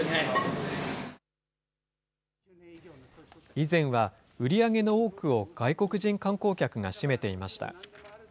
以前は、売り上げの多くを外国人観光客が占めていました。